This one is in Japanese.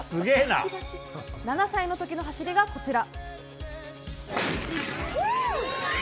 ７歳の時の走りがこちら。